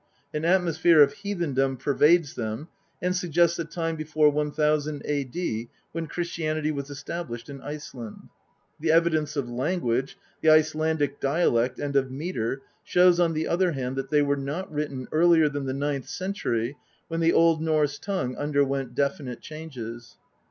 An atmosphere of heathendom pervades them, and suggests a time before 1000 A.D., when Christianity was established in Iceland : the evidence of lan guage, the Icelandic dialect, and of metre shows on the other hand that they were not written earlier than the ninth century, when the Old Norse tongue underwent definite changes.